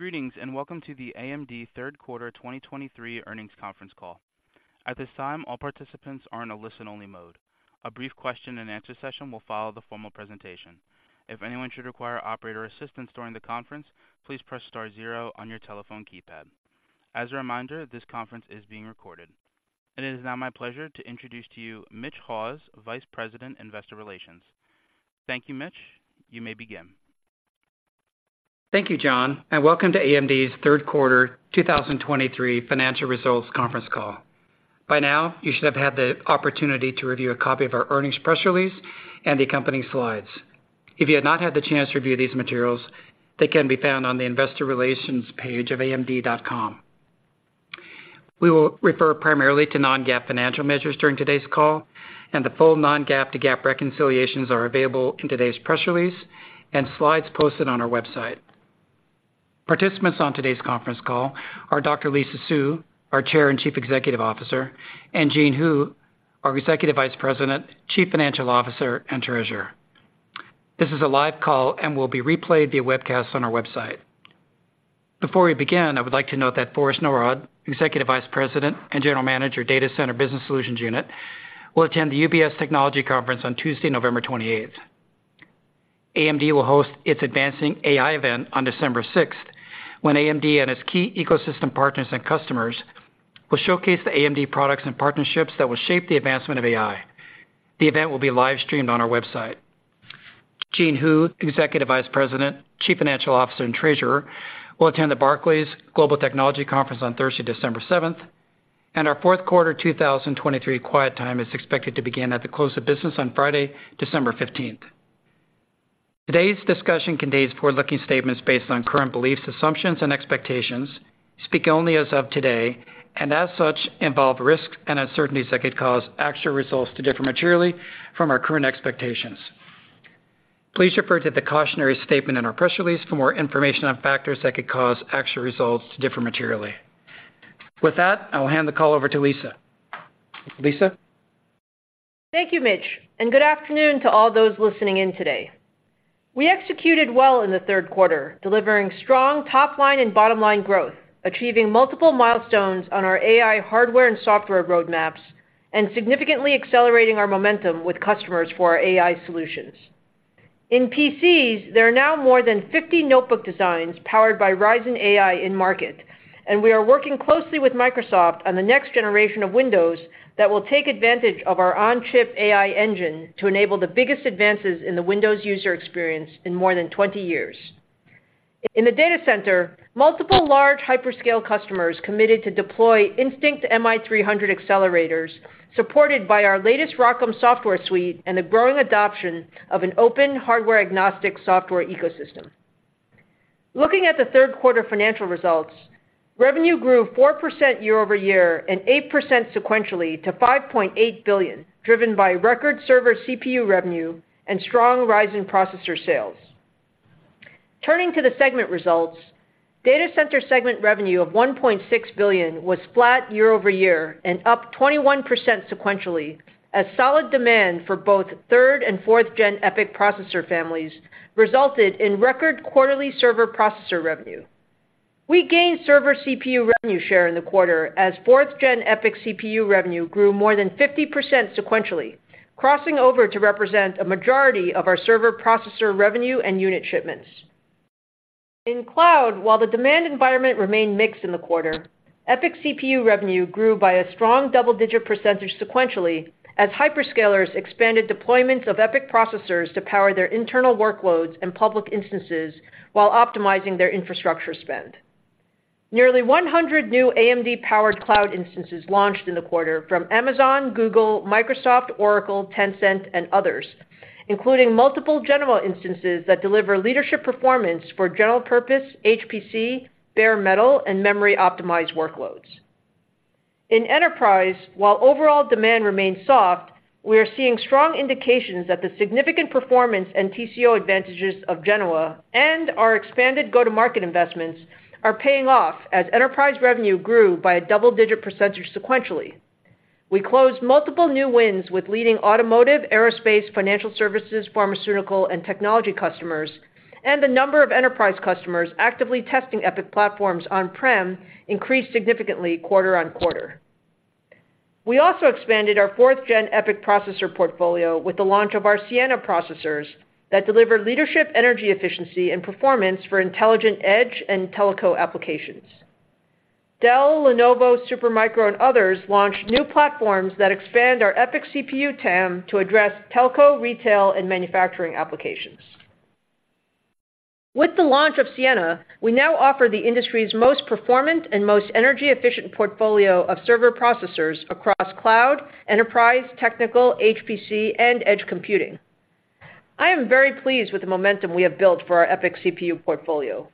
Greetings, and welcome to the AMD Third Quarter 2023 Earnings Conference Call. At this time, all participants are in a listen-only mode. A brief question-and-answer session will follow the formal presentation. If anyone should require operator assistance during the conference, please press star zero on your telephone keypad. As a reminder, this conference is being recorded. It is now my pleasure to introduce to you Mitch Haws, Vice President, Investor Relations. Thank you, Mitch. You may begin. Thank you, John, and welcome to AMD's Third Quarter 2023 Financial Results Conference Call. By now, you should have had the opportunity to review a copy of our earnings press release and the accompanying slides. If you have not had the chance to review these materials, they can be found on the Investor Relations page of AMD.com. We will refer primarily to non-GAAP financial measures during today's call, and the full non-GAAP to GAAP reconciliations are available in today's press release and slides posted on our website. Participants on today's conference call are Dr. Lisa Su, our Chair and Chief Executive Officer, and Jean Hu, our Executive Vice President, Chief Financial Officer, and Treasurer. This is a live call and will be replayed via webcast on our website. Before we begin, I would like to note that Forrest Norrod, Executive Vice President and General Manager, Data Center Business Solutions unit, will attend the UBS Technology Conference on Tuesday, November 28. AMD will host its Advancing AI event on December 6, when AMD and its key ecosystem partners and customers will showcase the AMD products and partnerships that will shape the advancement of AI. The event will be live-streamed on our website. Jean Hu, Executive Vice President, Chief Financial Officer, and Treasurer, will attend the Barclays Global Technology Conference on Thursday, December 7, and our fourth quarter 2023 quiet time is expected to begin at the close of business on Friday, December 15th. Today's discussion contains forward-looking statements based on current beliefs, assumptions, and expectations, speak only as of today, and as such, involve risks and uncertainties that could cause actual results to differ materially from our current expectations. Please refer to the cautionary statement in our press release for more information on factors that could cause actual results to differ materially. With that, I will hand the call over to Lisa. Lisa? Thank you, Mitch, and good afternoon to all those listening in today. We executed well in the third quarter, delivering strong top-line and bottom-line growth, achieving multiple milestones on our AI hardware and software roadmaps, and significantly accelerating our momentum with customers for our AI solutions. In PCs, there are now more than 50 notebook designs powered by Ryzen AI in market, and we are working closely with Microsoft on the next generation of Windows that will take advantage of our on-chip AI engine to enable the biggest advances in the Windows user experience in more than 20 years. In the data center, multiple large hyperscale customers committed to deploy Instinct MI300 accelerators, supported by our latest ROCm software suite and the growing adoption of an open, hardware-agnostic software ecosystem. Looking at the third quarter financial results, revenue grew 4% year-over-year and 8% sequentially to $5.8 billion, driven by record server CPU revenue and strong Ryzen processor sales. Turning to the segment results, data center segment revenue of $1.6 billion was flat year-over-year and up 21% sequentially, as solid demand for both third and fourth gen EPYC processor families resulted in record quarterly server processor revenue. We gained server CPU revenue share in the quarter as fourth gen EPYC CPU revenue grew more than 50% sequentially, crossing over to represent a majority of our server processor revenue and unit shipments. In cloud, while the demand environment remained mixed in the quarter, EPYC CPU revenue grew by a strong double-digit % sequentially as hyperscalers expanded deployments of EPYC processors to power their internal workloads and public instances while optimizing their infrastructure spend. Nearly 100 new AMD-powered cloud instances launched in the quarter from Amazon, Google, Microsoft, Oracle, Tencent, and others, including multiple Genoa instances that deliver leadership performance for general-purpose, HPC, bare metal, and memory-optimized workloads. In enterprise, while overall demand remains soft, we are seeing strong indications that the significant performance and TCO advantages of Genoa and our expanded go-to-market investments are paying off as enterprise revenue grew by a double-digit % sequentially. We closed multiple new wins with leading automotive, aerospace, financial services, pharmaceutical, and technology customers, and the number of enterprise customers actively testing EPYC platforms on-prem increased significantly quarter-over-quarter. We also expanded our fourth-gen EPYC processor portfolio with the launch of our Siena processors that deliver leadership, energy efficiency, and performance for intelligent edge and telco applications. Dell, Lenovo, Supermicro, and others launched new platforms that expand our EPYC CPU TAM to address telco, retail, and manufacturing applications. With the launch of Siena, we now offer the industry's most performant and most energy-efficient portfolio of server processors across cloud, enterprise, technical, HPC, and edge computing. I am very pleased with the momentum we have built for our EPYC CPU portfolio.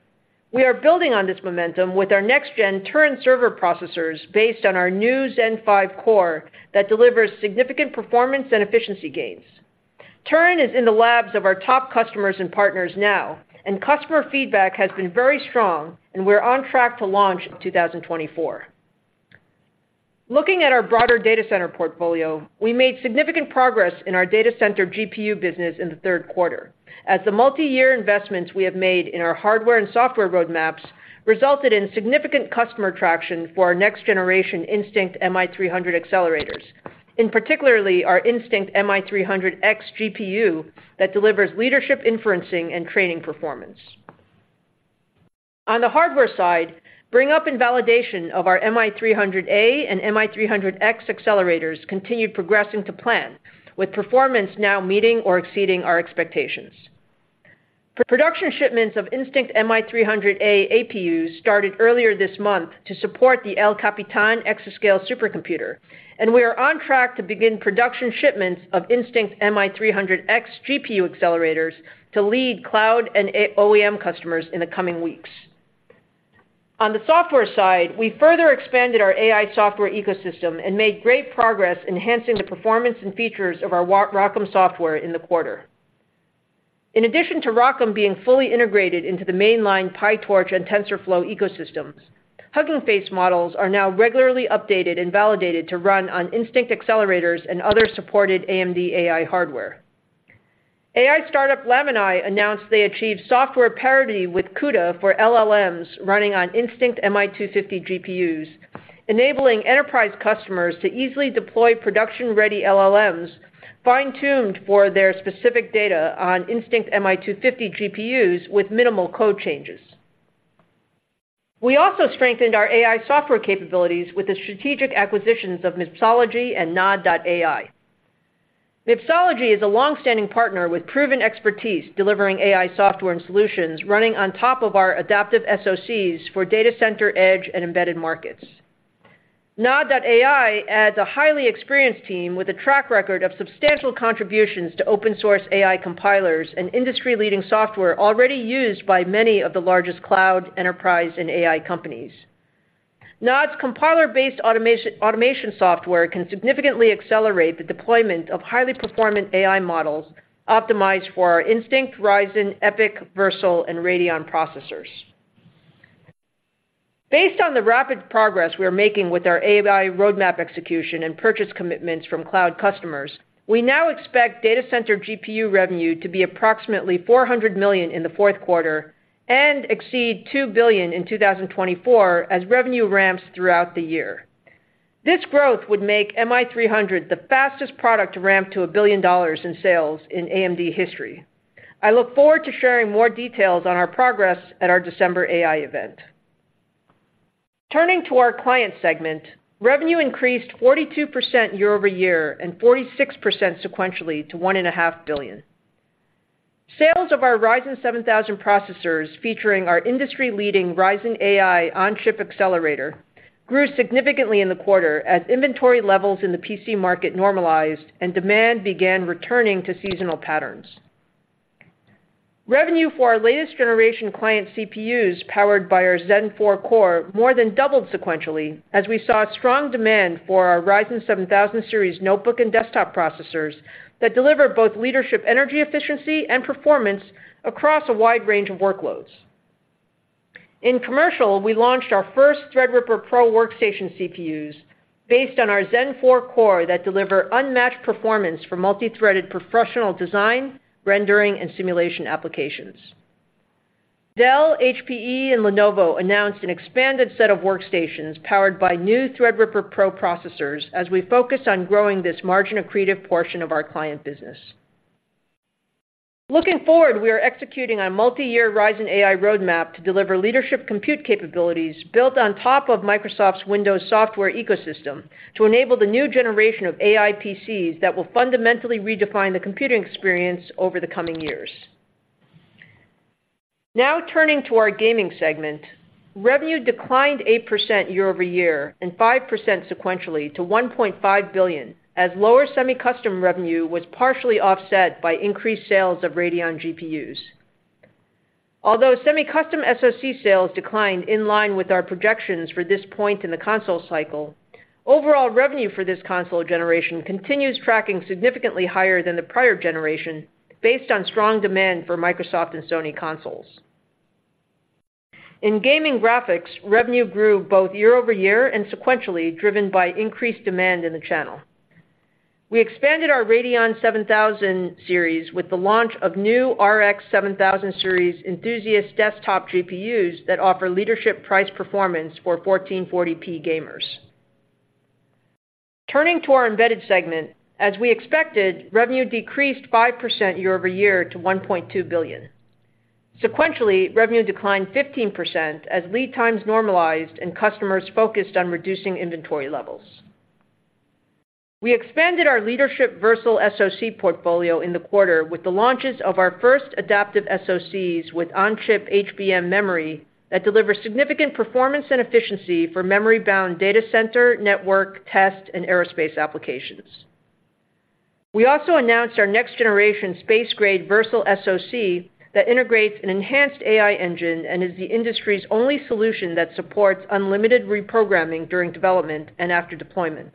We are building on this momentum with our next-gen Turin server processors based on our new Zen 5 core that delivers significant performance and efficiency gains. Turin is in the labs of our top customers and partners now, and customer feedback has been very strong, and we're on track to launch in 2024. Looking at our broader data center portfolio, we made significant progress in our data center GPU business in the third quarter, as the multi-year investments we have made in our hardware and software roadmaps resulted in significant customer traction for our next generation Instinct MI300 accelerators, in particular, our Instinct MI300X GPU that delivers leadership, inferencing, and training performance. On the hardware side, bring up and validation of our MI300A and MI300X accelerators continued progressing to plan, with performance now meeting or exceeding our expectations. Production shipments of Instinct MI300A APUs started earlier this month to support the El Capitan Exascale supercomputer, and we are on track to begin production shipments of Instinct MI300X GPU accelerators to leading cloud and AI OEM customers in the coming weeks. On the software side, we further expanded our AI software ecosystem and made great progress enhancing the performance and features of our ROCm software in the quarter. In addition to ROCm being fully integrated into the mainline PyTorch and TensorFlow ecosystems, Hugging Face models are now regularly updated and validated to run on Instinct accelerators and other supported AMD AI hardware. AI startup Lamini announced they achieved software parity with CUDA for LLMs running on Instinct MI250 GPUs, enabling enterprise customers to easily deploy production-ready LLMs, fine-tuned for their specific data on Instinct MI250 GPUs with minimal code changes. We also strengthened our AI software capabilities with the strategic acquisitions of Mipsology and Nod.ai. Mipsology is a long-standing partner with proven expertise, delivering AI software and solutions running on top of our adaptive SoCs for data center, edge, and embedded markets. Nod.ai adds a highly experienced team with a track record of substantial contributions to open source AI compilers and industry-leading software already used by many of the largest cloud, enterprise, and AI companies. Nod's compiler-based automation software can significantly accelerate the deployment of highly performant AI models optimized for our Instinct, Ryzen, EPYC, Versal, and Radeon processors. Based on the rapid progress we are making with our AI roadmap execution and purchase commitments from cloud customers, we now expect data center GPU revenue to be approximately $400 million in the fourth quarter and exceed $2 billion in 2024 as revenue ramps throughout the year. This growth would make MI300 the fastest product to ramp to $1 billion in sales in AMD history. I look forward to sharing more details on our progress at our December AI event. Turning to our client segment, revenue increased 42% year-over-year and 46% sequentially to $1.5 billion. Sales of our Ryzen 7000 processors, featuring our industry-leading Ryzen AI on-chip accelerator, grew significantly in the quarter as inventory levels in the PC market normalized and demand began returning to seasonal patterns. Revenue for our latest generation client CPUs, powered by our Zen 4 core, more than doubled sequentially, as we saw strong demand for our Ryzen 7000 series notebook and desktop processors that deliver both leadership, energy efficiency, and performance across a wide range of workloads. In commercial, we launched our first Threadripper PRO workstation CPUs based on our Zen 4 core that deliver unmatched performance for multi-threaded professional design, rendering, and simulation applications. Dell, HPE, and Lenovo announced an expanded set of workstations powered by new Threadripper PRO processors as we focus on growing this margin-accretive portion of our client business. Looking forward, we are executing on multi-year Ryzen AI roadmap to deliver leadership compute capabilities built on top of Microsoft's Windows software ecosystem, to enable the new generation of AI PCs that will fundamentally redefine the computing experience over the coming years. Now, turning to our gaming segment, revenue declined 8% year-over-year and 5% sequentially to $1.5 billion, as lower semi-custom revenue was partially offset by increased sales of Radeon GPUs. Although semi-custom SoC sales declined in line with our projections for this point in the console cycle, overall revenue for this console generation continues tracking significantly higher than the prior generation, based on strong demand for Microsoft and Sony consoles. In gaming graphics, revenue grew both year-over-year and sequentially, driven by increased demand in the channel. We expanded our Radeon 7000 series with the launch of new RX 7000 series enthusiast desktop GPUs that offer leadership price performance for 1440p gamers. Turning to our embedded segment, as we expected, revenue decreased 5% year-over-year to $1.2 billion. Sequentially, revenue declined 15% as lead times normalized and customers focused on reducing inventory levels. We expanded our leadership Versal SoC portfolio in the quarter with the launches of our first adaptive SoCs with on-chip HBM memory that delivers significant performance and efficiency for memory-bound data center, network, test, and aerospace applications. We also announced our next-generation space-grade Versal SoC that integrates an enhanced AI engine and is the industry's only solution that supports unlimited reprogramming during development and after deployment.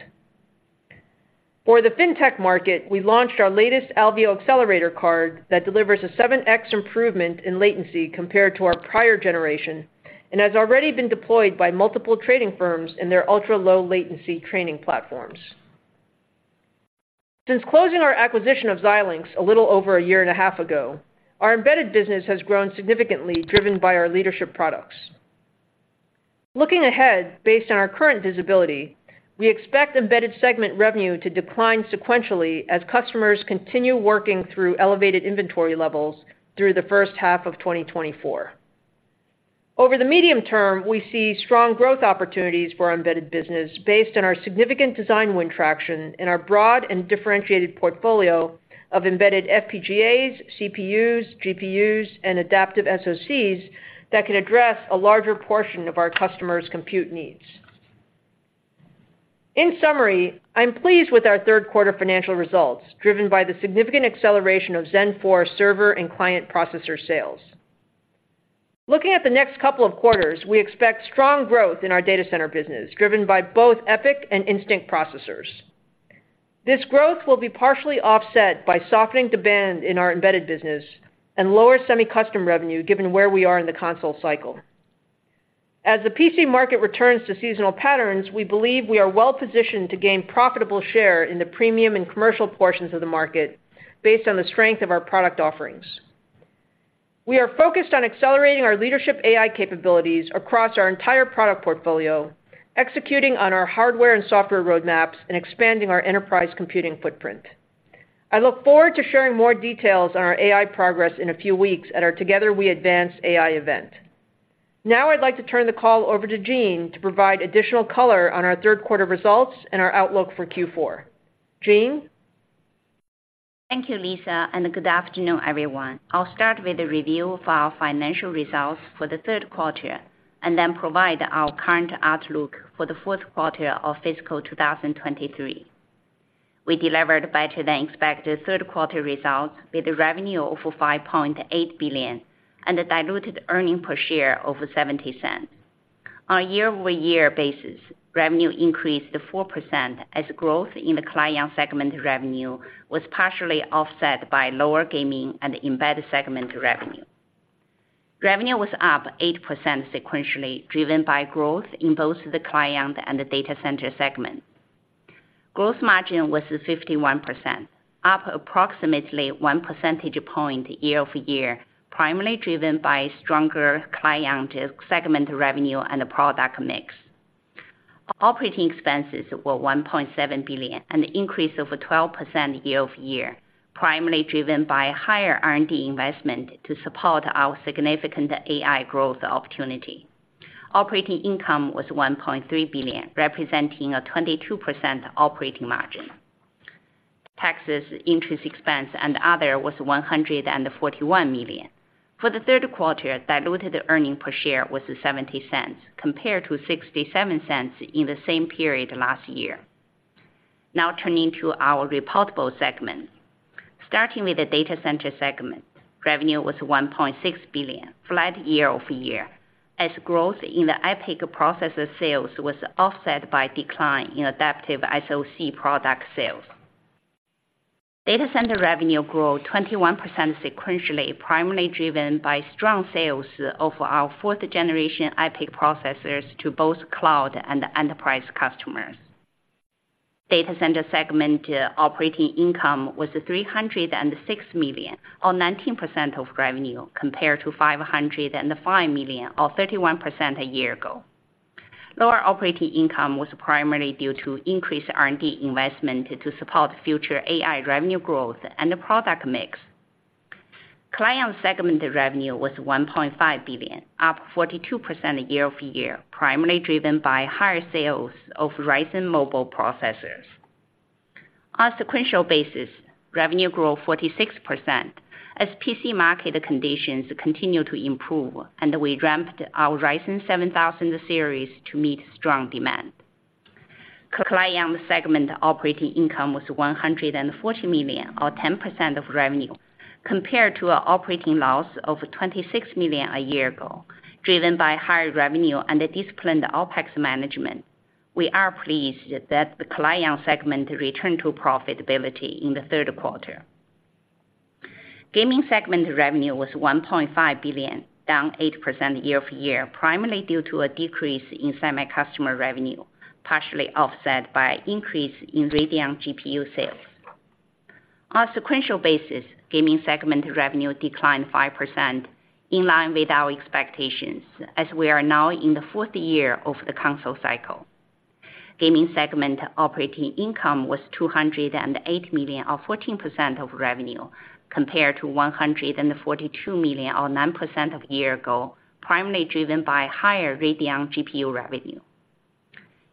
For the fintech market, we launched our latest Alveo accelerator card that delivers a 7x improvement in latency compared to our prior generation, and has already been deployed by multiple trading firms in their ultra-low latency training platforms. Since closing our acquisition of Xilinx a little over a year and a half ago, our embedded business has grown significantly, driven by our leadership products. Looking ahead, based on our current visibility, we expect embedded segment revenue to decline sequentially as customers continue working through elevated inventory levels through the first half of 2024. Over the medium term, we see strong growth opportunities for our embedded business based on our significant design win traction and our broad and differentiated portfolio of embedded FPGAs, CPUs, GPUs, and adaptive SoCs that can address a larger portion of our customers' compute needs. In summary, I'm pleased with our third quarter financial results, driven by the significant acceleration of Zen 4 server and client processor sales. Looking at the next couple of quarters, we expect strong growth in our data center business, driven by both EPYC and Instinct processors. This growth will be partially offset by softening demand in our embedded business and lower semi-custom revenue, given where we are in the console cycle. As the PC market returns to seasonal patterns, we believe we are well-positioned to gain profitable share in the premium and commercial portions of the market based on the strength of our product offerings. We are focused on accelerating our leadership AI capabilities across our entire product portfolio, executing on our hardware and software roadmaps, and expanding our enterprise computing footprint. I look forward to sharing more details on our AI progress in a few weeks at our Together We Advance AI event. Now I'd like to turn the call over to Jean to provide additional color on our third quarter results and our outlook for Q4. Jean? Thank you, Lisa, and good afternoon, everyone. I'll start with a review of our financial results for the third quarter, and then provide our current outlook for the fourth quarter of fiscal 2023. We delivered better-than-expected third quarter results, with a revenue of $5.8 billion and a diluted earnings per share of $0.70. On a year-over-year basis, revenue increased 4%, as growth in the client segment revenue was partially offset by lower gaming and embedded segment revenue. Revenue was up 8% sequentially, driven by growth in both the client and the data center segment. Gross margin was 51%, up approximately 1 percentage point year-over-year, primarily driven by stronger client segment revenue and product mix. Operating expenses were $1.7 billion, an increase of 12% year-over-year, primarily driven by higher R&D investment to support our significant AI growth opportunity. Operating income was $1.3 billion, representing a 22% operating margin. Taxes, interest expense, and other was $141 million. For the third quarter, diluted earnings per share was $0.70, compared to $0.67 in the same period last year. Now turning to our reportable segment. Starting with the data center segment, revenue was $1.6 billion, flat year-over-year, as growth in the EPYC processor sales was offset by decline in adaptive SoC product sales. Data center revenue grew 21% sequentially, primarily driven by strong sales of our fourth generation EPYC processors to both cloud and enterprise customers. Data center segment operating income was $306 million, or 19% of revenue, compared to $505 million, or 31% a year ago. Lower operating income was primarily due to increased R&D investment to support future AI revenue growth and the product mix. Client segment revenue was $1.5 billion, up 42% year-over-year, primarily driven by higher sales of Ryzen mobile processors. On a sequential basis, revenue grew 46%, as PC market conditions continue to improve, and we ramped our Ryzen 7000 series to meet strong demand. Client segment operating income was $140 million, or 10% of revenue, compared to an operating loss of $26 million a year ago, driven by higher revenue and a disciplined OpEx management. We are pleased that the client segment returned to profitability in the third quarter. Gaming segment revenue was $1.5 billion, down 8% year-over-year, primarily due to a decrease in semi-custom revenue, partially offset by an increase in Radeon GPU sales. On a sequential basis, gaming segment revenue declined 5%, in line with our expectations, as we are now in the fourth year of the console cycle. Gaming segment operating income was $208 million, or 14% of revenue, compared to $142 million, or 9% a year ago, primarily driven by higher Radeon GPU revenue.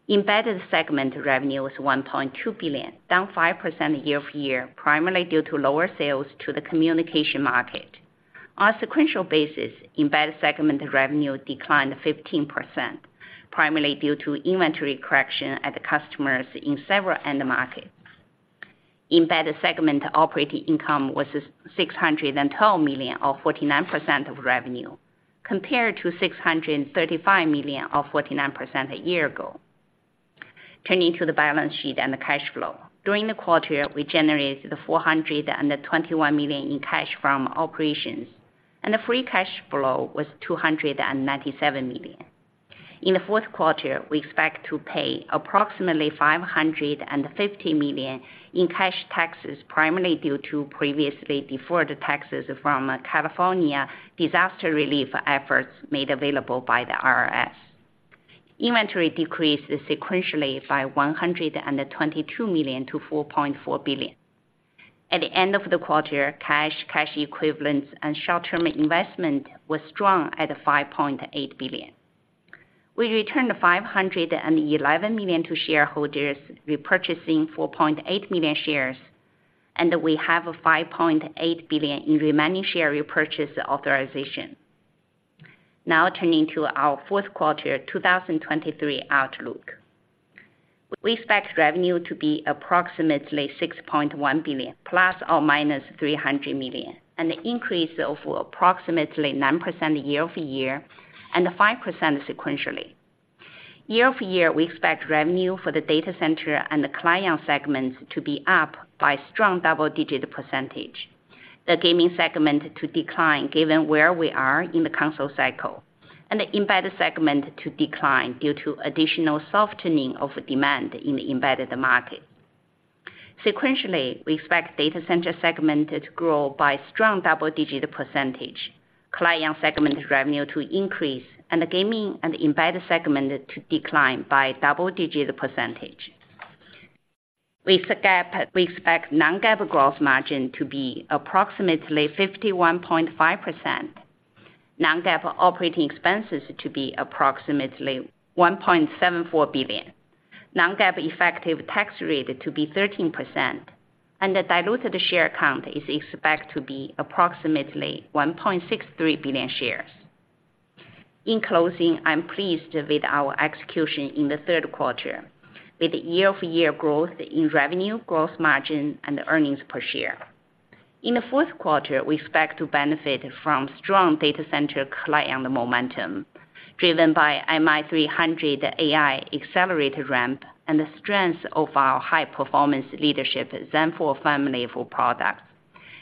Embedded segment revenue was $1.2 billion, down 5% year-over-year, primarily due to lower sales to the communication market. On a sequential basis, embedded segment revenue declined 15%, primarily due to inventory correction at the customers in several end markets. Embedded segment operating income was $612 million, or 49% of revenue, compared to $635 million, or 49% a year ago. Turning to the balance sheet and the cash flow. During the quarter, we generated $421 million in cash from operations, and the free cash flow was $297 million. In the fourth quarter, we expect to pay approximately $550 million in cash taxes, primarily due to previously deferred taxes from California disaster relief efforts made available by the IRS. Inventory decreased sequentially by $122 million to $4.4 billion. At the end of the quarter, cash, cash equivalents, and short-term investment was strong at $5.8 billion. We returned $511 million to shareholders, repurchasing 4.8 million shares, and we have a $5.8 billion in remaining share repurchase authorization. Now turning to our fourth quarter 2023 outlook. We expect revenue to be approximately $6.1 billion ±$300 million, an increase of approximately 9% year-over-year and 5% sequentially. Year-over-year, we expect revenue for the data center and the client segments to be up by strong double-digit percentage. The gaming segment to decline, given where we are in the console cycle, and the embedded segment to decline due to additional softening of demand in the embedded market. Sequentially, we expect data center segment to grow by strong double-digit percentage, client segment revenue to increase, and the gaming and embedded segment to decline by double-digit percentage. We expect non-GAAP gross margin to be approximately 51.5%, non-GAAP operating expenses to be approximately $1.74 billion, non-GAAP effective tax rate to be 13%, and the diluted share count is expected to be approximately 1.63 billion shares. In closing, I'm pleased with our execution in the third quarter, with year-over-year growth in revenue, gross margin, and earnings per share. In the fourth quarter, we expect to benefit from strong data center client momentum, driven by MI300 AI accelerator ramp and the strength of our high-performance leadership Zen 4 family of products,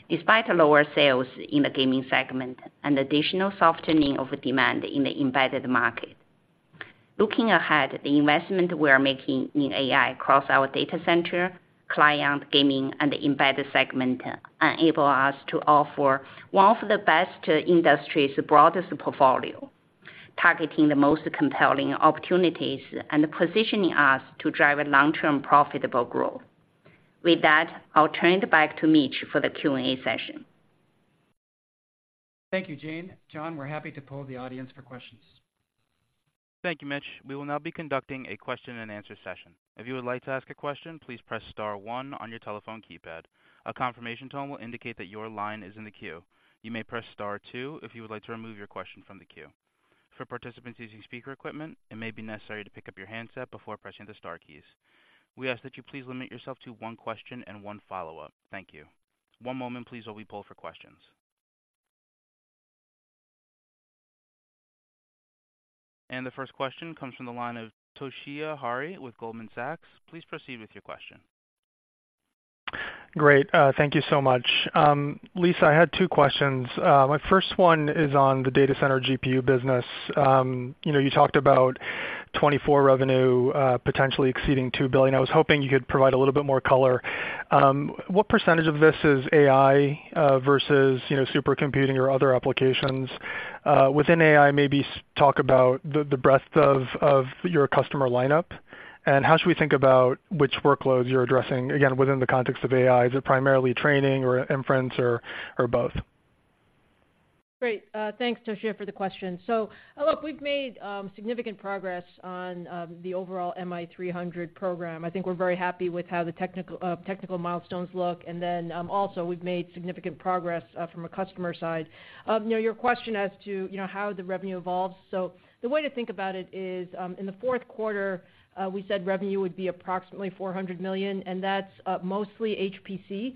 despite lower sales in the gaming segment and additional softening of demand in the embedded market. Looking ahead, the investment we are making in AI across our data center, client, gaming, and embedded segment enable us to offer one of the best industry's broadest portfolio, targeting the most compelling opportunities and positioning us to drive a long-term profitable growth. With that, I'll turn it back to Mitch for the Q&A session. Thank you, Jean. John, we're happy to poll the audience for questions. Thank you, Mitch. We will now be conducting a question-and-answer session. If you would like to ask a question, please press star one on your telephone keypad. A confirmation tone will indicate that your line is in the queue. You may press star two if you would like to remove your question from the queue. For participants using speaker equipment, it may be necessary to pick up your handset before pressing the star keys. We ask that you please limit yourself to one question and one follow-up. Thank you. One moment, please, while we poll for questions. And the first question comes from the line of Toshiya Hari with Goldman Sachs. Please proceed with your question. Great, thank you so much. Lisa, I had two questions. My first one is on the data center GPU business. You know, you talked about 2024 revenue potentially exceeding $2 billion. I was hoping you could provide a little bit more color. What percentage of this is AI versus, you know, supercomputing or other applications? Within AI, maybe talk about the breadth of your customer lineup, and how should we think about which workloads you're addressing, again, within the context of AI? Is it primarily training or inference or both? Great. Thanks, Toshiya, for the question. So, look, we've made significant progress on the overall MI300 program. I think we're very happy with how the technical milestones look, and then also we've made significant progress from a customer side. You know, your question as to, you know, how the revenue evolves. So the way to think about it is, in the fourth quarter, we said revenue would be approximately $400 million, and that's mostly HPC,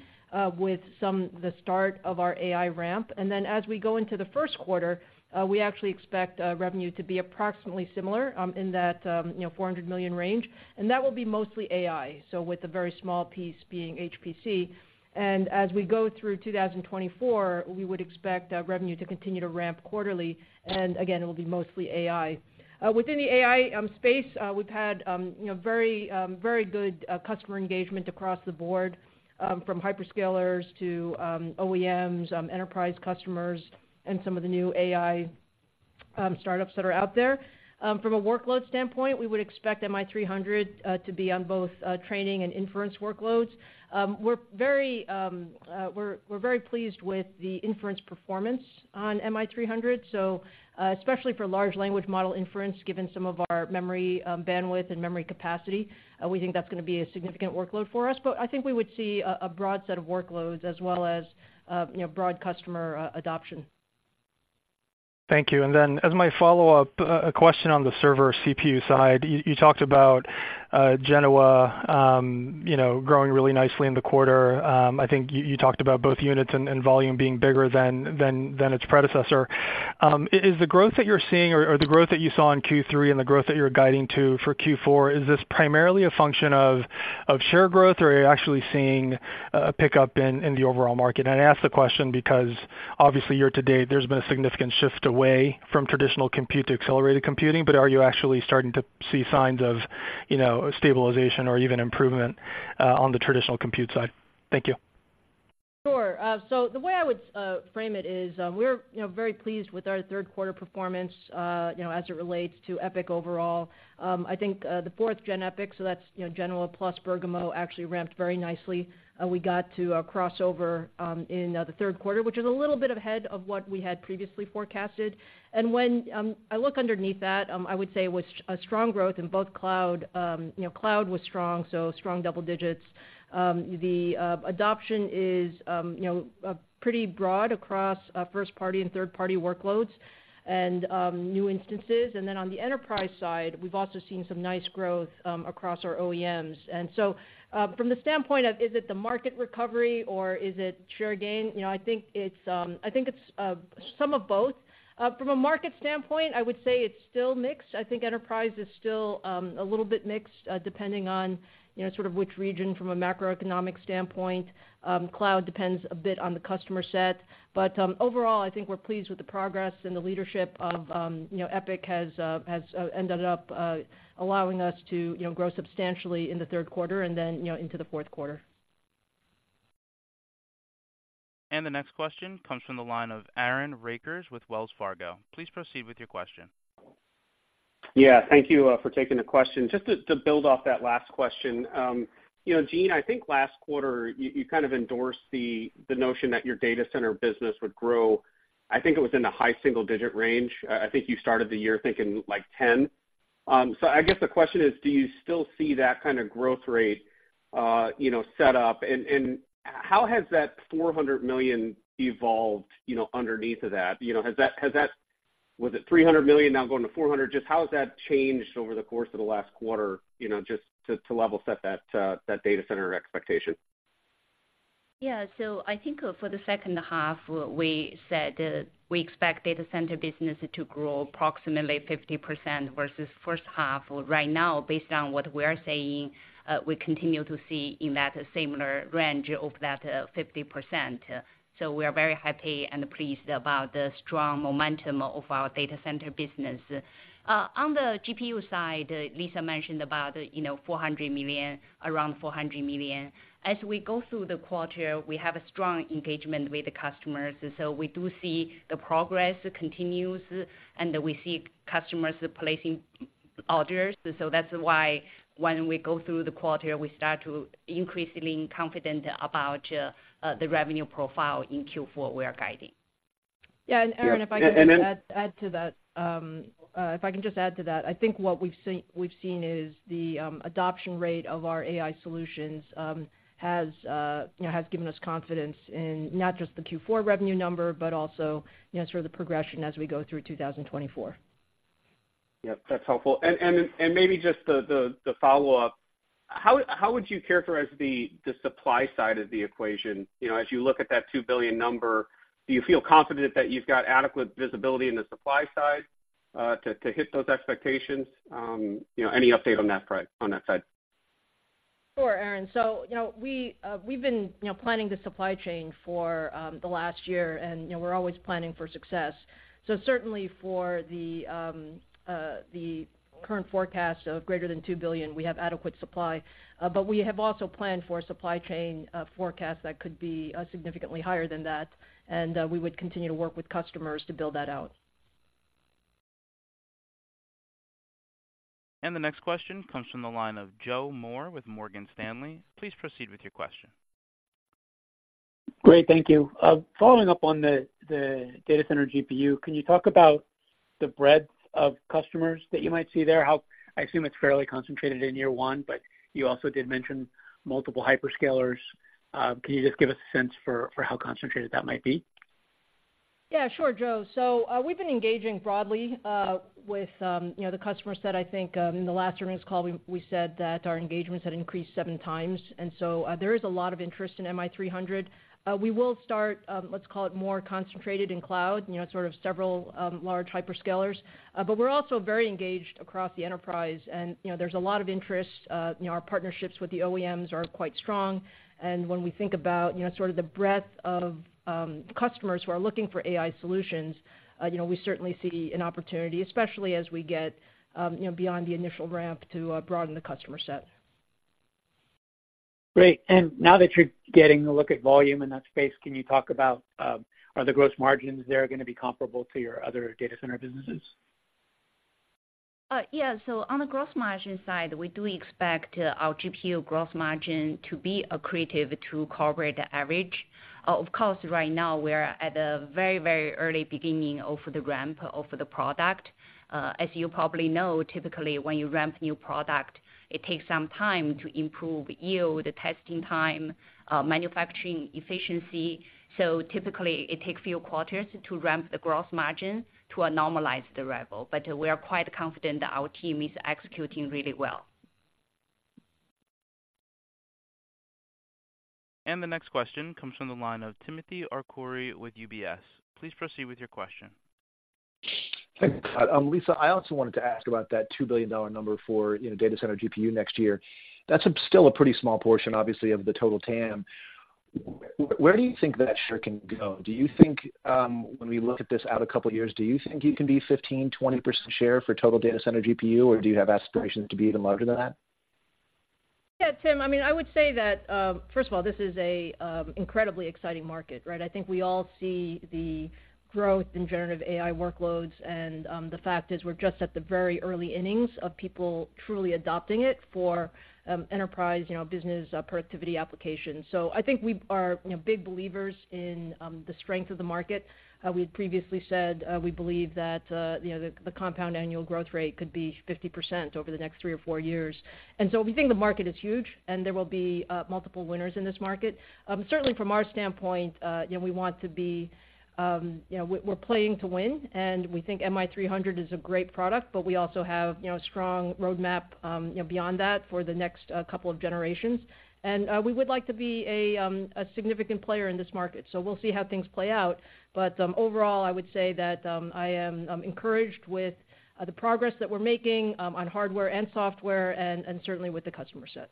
with some the start of our AI ramp. And then, as we go into the first quarter, we actually expect revenue to be approximately similar in that, you know, $400 million range, and that will be mostly AI, so with a very small piece being HPC. And as we go through 2024, we would expect revenue to continue to ramp quarterly, and again, it will be mostly AI. Within the AI space, we've had, you know, very, very good customer engagement across the board, from hyperscalers to OEMs, enterprise customers, and some of the new AI startups that are out there. From a workload standpoint, we would expect MI300 to be on both training and inference workloads. We're very pleased with the inference performance on MI300, so especially for large language model inference, given some of our memory bandwidth and memory capacity. We think that's gonna be a significant workload for us, but I think we would see a broad set of workloads as well as, you know, broad customer adoption. Thank you. Then, as my follow-up, a question on the server CPU side. You talked about Genoa, you know, growing really nicely in the quarter. I think you talked about both units and volume being bigger than its predecessor. Is the growth that you're seeing or the growth that you saw in Q3 and the growth that you're guiding to for Q4, is this primarily a function of share growth, or are you actually seeing a pickup in the overall market? And I ask the question because obviously, year-to-date, there's been a significant shift away from traditional compute to accelerated computing, but are you actually starting to see signs of, you know, stabilization or even improvement on the traditional compute side? Thank you. Sure. So the way I would frame it is, we're, you know, very pleased with our third quarter performance, you know, as it relates to EPYC overall. I think, the fourth gen EPYC, so that's, you know, Genoa plus Bergamo, actually ramped very nicely. We got to a crossover in the third quarter, which is a little bit ahead of what we had previously forecasted. And when I look underneath that, I would say with a strong growth in both cloud... You know, cloud was strong, so strong double digits. The adoption is, you know, pretty broad across first party and third party workloads and new instances. And then on the enterprise side, we've also seen some nice growth across our OEMs. And so, from the standpoint of is it the market recovery or is it share gain? You know, I think it's, I think it's some of both. From a market standpoint, I would say it's still mixed. I think enterprise is still a little bit mixed, depending on, you know, sort of which region from a macroeconomic standpoint. Cloud depends a bit on the customer set. But overall, I think we're pleased with the progress and the leadership of, you know, EPYC has, has ended up allowing us to, you know, grow substantially in the third quarter and then, you know, into the fourth quarter. The next question comes from the line of Aaron Rakers with Wells Fargo. Please proceed with your question. Yeah, thank you, for taking the question. Just to build off that last question, you know, Jean, I think last quarter, you kind of endorsed the notion that your data center business would grow. I think it was in the high single-digit range. I think you started the year thinking, like, 10. So I guess the question is: do you still see that kind of growth rate, you know, set up? And how has that $400 million evolved, you know, underneath of that? You know, has that—was it $300 million now going to $400 million? Just how has that changed over the course of the last quarter, you know, just to level set that data center expectation? Yeah. So I think for the second half, we said we expect data center business to grow approximately 50% versus first half. Right now, based on what we are seeing, we continue to see in that similar range of that 50%. So we are very happy and pleased about the strong momentum of our data center business. On the GPU side, Lisa mentioned about, you know, $400 million, around $400 million. As we go through the quarter, we have a strong engagement with the customers, and so we do see the progress continues, and we see customers placing orders. So that's why when we go through the quarter, we start to increasingly confident about the revenue profile in Q4 we are guiding. Yeah, and Aaron, if I can just add to that. I think what we've seen is the adoption rate of our AI solutions has, you know, given us confidence in not just the Q4 revenue number, but also, you know, sort of the progression as we go through 2024. Yep, that's helpful. And maybe just the follow-up: How would you characterize the supply side of the equation? You know, as you look at that $2 billion number, do you feel confident that you've got adequate visibility in the supply side to hit those expectations? You know, any update on that side? Sure, Aaron. So you know, we've been you know, planning the supply chain for the last year, and you know, we're always planning for success. So certainly for the current forecast of greater than $2 billion, we have adequate supply, but we have also planned for a supply chain forecast that could be significantly higher than that, and we would continue to work with customers to build that out. The next question comes from the line of Joe Moore with Morgan Stanley. Please proceed with your question. Great, thank you. Following up on the data center GPU, can you talk about the breadth of customers that you might see there? I assume it's fairly concentrated in year one, but you also did mention multiple hyperscalers. Can you just give us a sense for how concentrated that might be? Yeah, sure, Joe. So, we've been engaging broadly with you know, the customer set. I think, in the last earnings call, we said that our engagements had increased seven times, and so, there is a lot of interest in MI300. We will start, let's call it, more concentrated in cloud, you know, sort of several large hyperscalers. But we're also very engaged across the enterprise, and, you know, there's a lot of interest. You know, our partnerships with the OEMs are quite strong, and when we think about, you know, sort of the breadth of customers who are looking for AI solutions, you know, we certainly see an opportunity, especially as we get, you know, beyond the initial ramp to broaden the customer set. Great. And now that you're getting a look at volume in that space, can you talk about, are the growth margins there gonna be comparable to your other data center businesses? Yeah. So on the growth margin side, we do expect our GPU growth margin to be accretive to corporate average. Of course, right now we're at a very, very early beginning of the ramp of the product. As you probably know, typically, when you ramp new product, it takes some time to improve yield, testing time, manufacturing efficiency. So typically, it takes few quarters to ramp the growth margin to a normalized level. But we are quite confident that our team is executing really well. And the next question comes from the line of Timothy Arcuri with UBS. Please proceed with your question. Thanks. Lisa, I also wanted to ask about that $2 billion number for, you know, data center GPU next year. That's still a pretty small portion, obviously, of the total TAM. Where do you think that share can go? Do you think, when we look at this out a couple of years, do you think you can be 15%, 20% share for total data center GPU, or do you have aspirations to be even larger than that? Yeah, Tim. I mean, I would say that, first of all, this is a incredibly exciting market, right? I think we all see the growth in generative AI workloads, and the fact is, we're just at the very early innings of people truly adopting it for enterprise, you know, business productivity applications. So I think we are, you know, big believers in the strength of the market. We previously said, we believe that, you know, the compound annual growth rate could be 50% over the next three or four years. And so we think the market is huge and there will be multiple winners in this market. Certainly from our standpoint, you know, we want to be, you know, we're playing to win, and we think MI300 is a great product, but we also have, you know, a strong roadmap, you know, beyond that for the next couple of generations. And we would like to be a significant player in this market, so we'll see how things play out. But overall, I would say that I am encouraged with the progress that we're making on hardware and software and certainly with the customer set.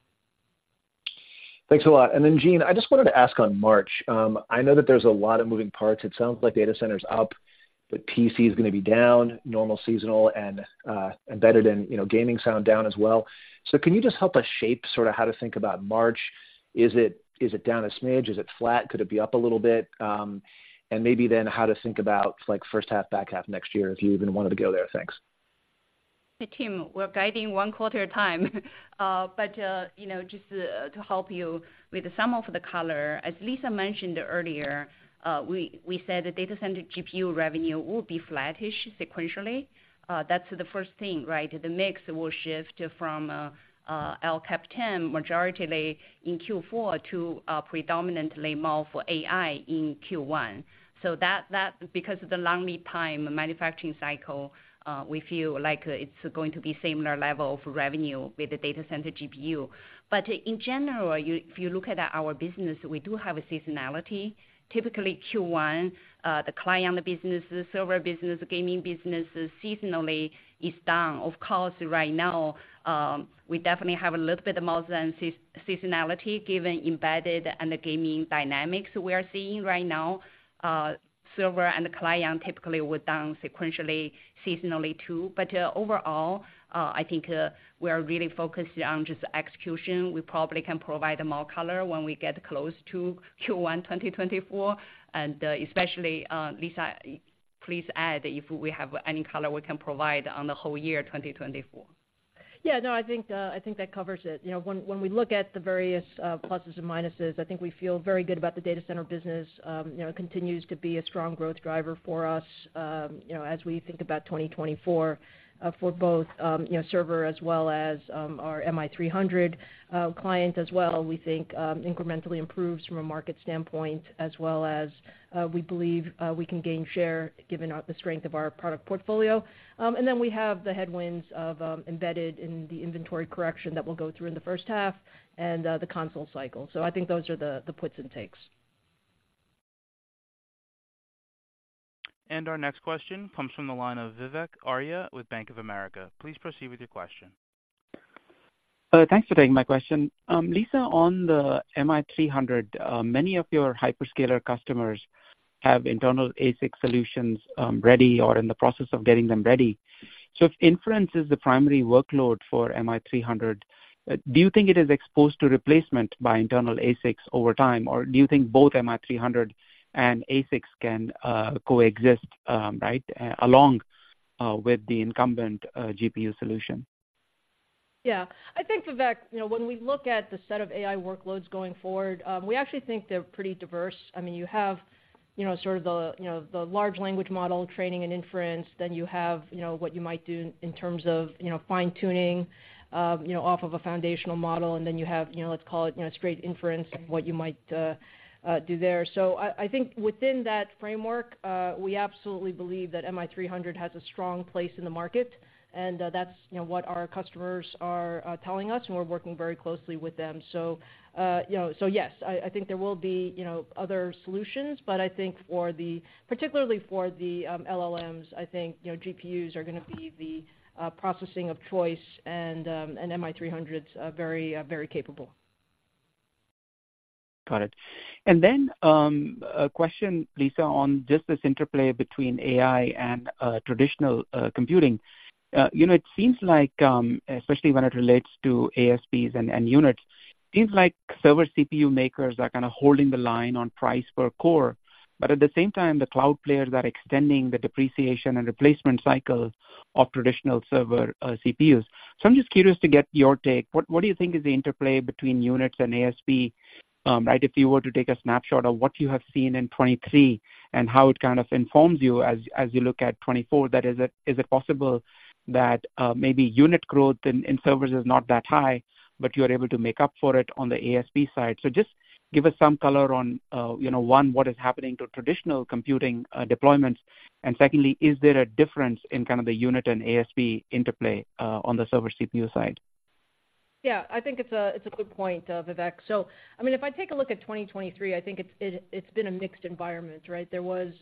Thanks a lot. And then, Jean, I just wanted to ask on March. I know that there's a lot of moving parts. It sounds like data center's up, but PC is gonna be down, normal, seasonal, and, embedded in, you know, gaming sound down as well. So can you just help us shape sort of how to think about March? Is it, is it down a smidge? Is it flat? Could it be up a little bit? And maybe then how to think about like first half, back half next year, if you even wanted to go there. Thanks. Hey, Tim, we're guiding one quarter at a time. But you know, just to help you with some of the color, as Lisa mentioned earlier, we said the data center GPU revenue will be flattish sequentially. That's the first thing, right? The mix will shift from El Capitan, majority in Q4 to predominantly MI300 for AI in Q1. So that, because of the long lead time manufacturing cycle, we feel like it's going to be similar level of revenue with the data center GPU. But in general, if you look at our business, we do have a seasonality. Typically, Q1, the client business, the server business, the gaming business, seasonally is down. Of course, right now, we definitely have a little bit more than seasonality, given embedded and the gaming dynamics we are seeing right now. Server and the client typically were down sequentially, seasonally, too. But, overall, I think, we are really focused on just execution. We probably can provide more color when we get close to Q1 2024, and, especially, Lisa, please add if we have any color we can provide on the whole year 2024. Yeah. No, I think, I think that covers it. You know, when we look at the various pluses and minuses, I think we feel very good about the data center business. You know, it continues to be a strong growth driver for us, you know, as we think about 2024, for both, you know, server as well as, our MI300 client as well, we think incrementally improves from a market standpoint, as well as, we believe we can gain share given the strength of our product portfolio. And then we have the headwinds of embedded in the inventory correction that we'll go through in the first half and the console cycle. So I think those are the puts and takes. Our next question comes from the line of Vivek Arya with Bank of America. Please proceed with your question. Thanks for taking my question. Lisa, on the MI300, many of your hyperscaler customers have internal ASIC solutions, ready or in the process of getting them ready. So if inference is the primary workload for MI300, do you think it is exposed to replacement by internal ASICs over time, or do you think both MI300 and ASICs can coexist, right, along with the incumbent GPU solution? Yeah. I think, Vivek, you know, when we look at the set of AI workloads going forward, we actually think they're pretty diverse. I mean, you have, you know, sort of the, you know, the large language model, training and inference. Then you have, you know, what you might do in terms of, you know, fine-tuning, you know, off of a foundational model, and then you have, you know, let's call it, you know, straight inference and what you might do there. So I, I think within that framework, we absolutely believe that MI300 has a strong place in the market, and, that's, you know, what our customers are telling us, and we're working very closely with them. So, you know, so yes, I think there will be, you know, other solutions, but I think for the, particularly for the LLMs, I think, you know, GPUs are gonna be the processing of choice, and MI300's very, very capable. Got it. And then, a question, Lisa, on just this interplay between AI and traditional computing. You know, it seems like, especially when it relates to ASPs and units, seems like server CPU makers are kind of holding the line on price per core, but at the same time, the cloud players are extending the depreciation and replacement cycle of traditional server CPUs. So I'm just curious to get your take. What do you think is the interplay between units and ASP, right? If you were to take a snapshot of what you have seen in 2023 and how it kind of informs you as you look at 2024, that is, is it possible that maybe unit growth in servers is not that high, but you're able to make up for it on the ASP side? Just give us some color on, you know, one, what is happening to traditional computing deployments? And secondly, is there a difference in kind of the unit and ASP interplay on the server CPU side? ... Yeah, I think it's a good point, Vivek. So I mean, if I take a look at 2023, I think it's been a mixed environment, right? There was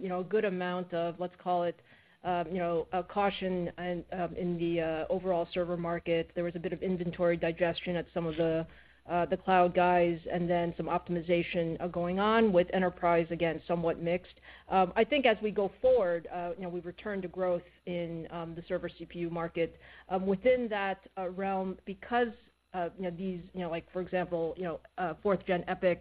you know, a good amount of, let's call it, you know, a caution and in the overall server market. There was a bit of inventory digestion at some of the the cloud guys, and then some optimization going on with enterprise, again, somewhat mixed. I think as we go forward, you know, we've returned to growth in the server CPU market, within that realm because you know, these, you know, like, for example, you know, fourth gen EPYC,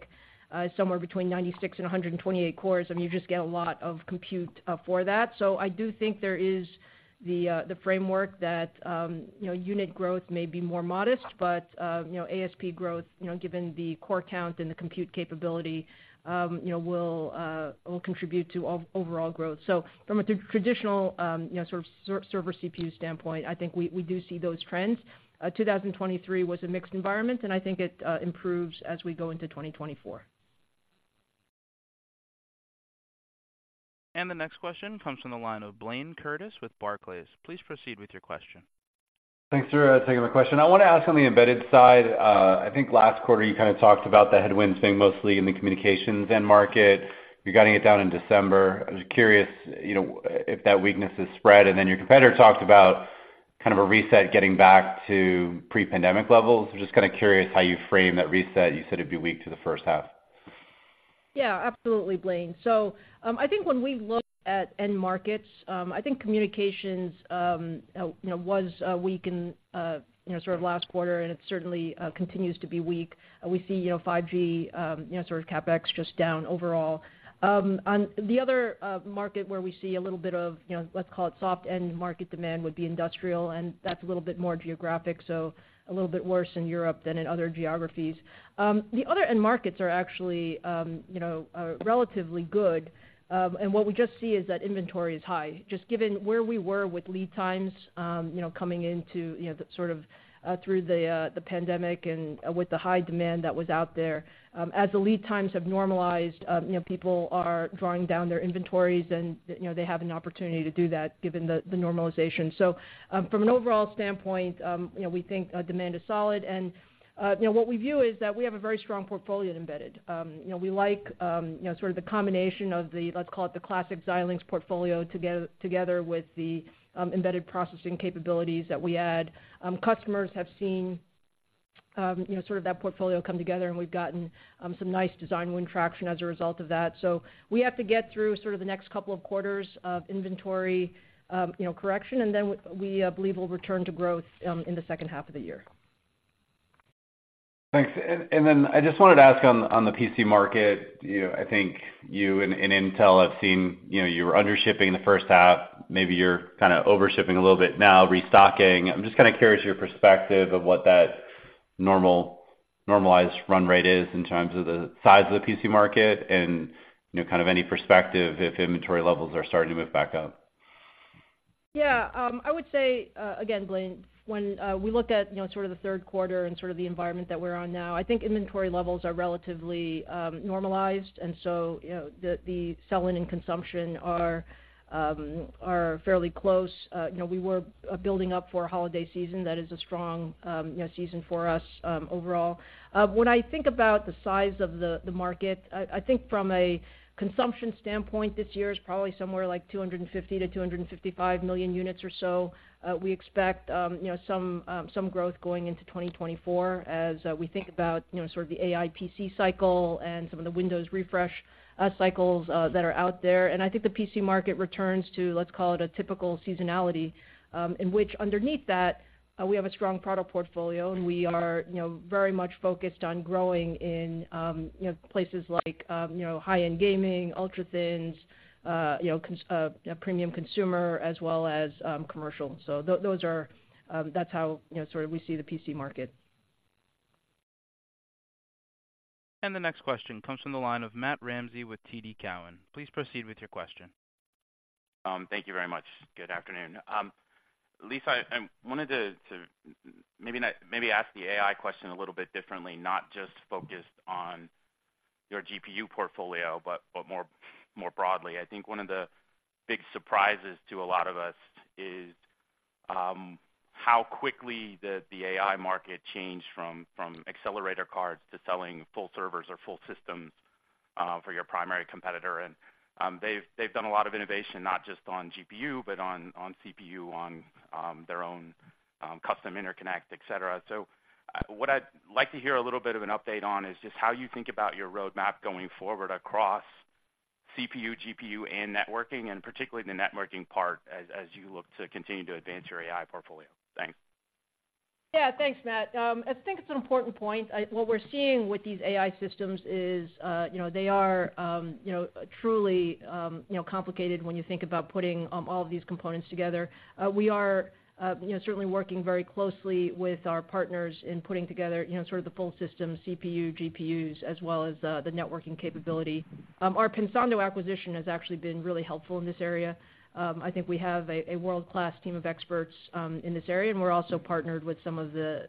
somewhere between 96 and 128 cores, I mean, you just get a lot of compute for that. So I do think there is the framework that you know, unit growth may be more modest, but you know, ASP growth you know, given the core count and the compute capability you know, will contribute to overall growth. So from a traditional you know, sort of server CPU standpoint, I think we do see those trends. 2023 was a mixed environment, and I think it improves as we go into 2024. The next question comes from the line of Blayne Curtis with Barclays. Please proceed with your question. Thanks for taking my question. I want to ask on the embedded side, I think last quarter you kind of talked about the headwinds being mostly in the communications end market. You're getting it down in December. I was just curious, you know, if that weakness has spread, and then your competitor talked about kind of a reset getting back to pre-pandemic levels. So just kind of curious how you frame that reset. You said it'd be weak to the first half. Yeah, absolutely, Blayne. So, I think when we look at end markets, I think communications, you know, was weak in, you know, sort of last quarter, and it certainly continues to be weak. We see, you know, 5G, you know, sort of CapEx just down overall. On the other market where we see a little bit of, you know, let's call it soft end market demand, would be industrial, and that's a little bit more geographic, so a little bit worse in Europe than in other geographies. The other end markets are actually, you know, relatively good. And what we just see is that inventory is high. Just given where we were with lead times, you know, coming into, you know, the sort of, through the, the pandemic and with the high demand that was out there. As the lead times have normalized, you know, people are drawing down their inventories, and, you know, they have an opportunity to do that given the, the normalization. So, from an overall standpoint, you know, we think, demand is solid, and, you know, what we view is that we have a very strong portfolio in embedded. You know, we like, you know, sort of the combination of the, let's call it the classic Xilinx portfolio together, together with the, embedded processing capabilities that we add. Customers have seen, you know, sort of that portfolio come together, and we've gotten some nice design win traction as a result of that. So we have to get through sort of the next couple of quarters of inventory, you know, correction, and then we believe we'll return to growth in the second half of the year. Thanks. And then I just wanted to ask on the PC market, you know, I think you and Intel have seen, you know, you were under shipping in the first half. Maybe you're kind of over shipping a little bit now, restocking. I'm just kind of curious your perspective of what that normalized run rate is in terms of the size of the PC market and, you know, kind of any perspective if inventory levels are starting to move back up. Yeah, I would say, again, Blayne, when we look at, you know, sort of the third quarter and sort of the environment that we're on now, I think inventory levels are relatively normalized, and so, you know, the, the sell-in and consumption are fairly close. You know, we were building up for a holiday season. That is a strong, you know, season for us overall. When I think about the size of the, the market, I, I think from a consumption standpoint, this year is probably somewhere like 250-255 million units or so. We expect, you know, some growth going into 2024 as we think about, you know, sort of the AI PC cycle and some of the Windows refresh cycles that are out there. I think the PC market returns to, let's call it, a typical seasonality in which underneath that we have a strong product portfolio, and we are, you know, very much focused on growing in, you know, places like, you know, high-end gaming, ultra-thins, you know, premium consumer, as well as commercial. So those are, that's how, you know, sort of we see the PC market. The next question comes from the line of Matt Ramsay with TD Cowen. Please proceed with your question. Thank you very much. Good afternoon. Lisa, I wanted to maybe ask the AI question a little bit differently, not just focused on your GPU portfolio, but more broadly. I think one of the big surprises to a lot of us is how quickly the AI market changed from accelerator cards to selling full servers or full systems for your primary competitor. And they've done a lot of innovation, not just on GPU, but on CPU, on their own custom interconnect, et cetera. So what I'd like to hear a little bit of an update on is just how you think about your roadmap going forward across CPU, GPU, and networking, and particularly the networking part, as you look to continue to advance your AI portfolio. Thanks. Yeah, thanks, Matt. I think it's an important point. What we're seeing with these AI systems is, you know, they are, you know, truly, you know, complicated when you think about putting all of these components together. We are, you know, certainly working very closely with our partners in putting together, you know, sort of the full system, CPU, GPUs, as well as the networking capability. Our Pensando acquisition has actually been really helpful in this area. I think we have a world-class team of experts in this area, and we're also partnered with some of the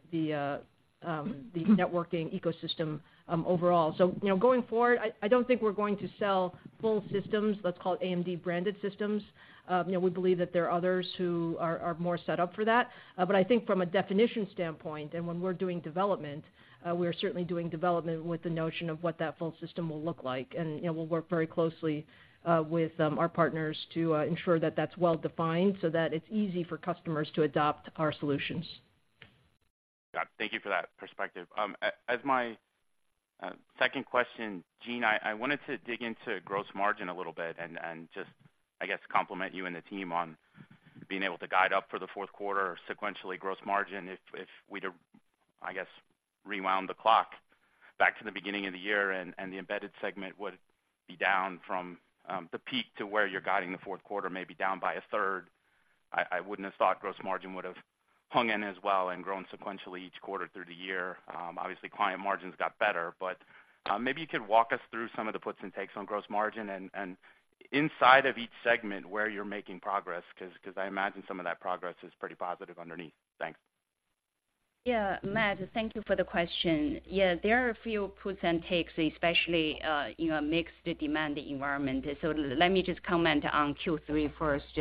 networking ecosystem overall. So, you know, going forward, I don't think we're going to sell full systems, let's call it AMD-branded systems. You know, we believe that there are others who are more set up for that. But I think from a definition standpoint, and when we're doing development, we're certainly doing development with the notion of what that full system will look like. And, you know, we'll work very closely with our partners to ensure that that's well-defined so that it's easy for customers to adopt our solutions. Got it. Thank you for that perspective. As my second question, Jean, I wanted to dig into gross margin a little bit and just, I guess, compliment you and the team on being able to guide up for the fourth quarter sequentially gross margin. If we'd, I guess, rewound the clock back to the beginning of the year and the embedded segment would be down from the peak to where you're guiding the fourth quarter, maybe down by a third, I wouldn't have thought gross margin would have hung in as well and grown sequentially each quarter through the year. Obviously, client margins got better, but maybe you could walk us through some of the puts and takes on gross margin and inside of each segment where you're making progress, 'cause I imagine some of that progress is pretty positive underneath. Thanks. Yeah, Matt, thank you for the question. Yeah, there are a few puts and takes, especially in a mixed demand environment. So let me just comment on Q3 first.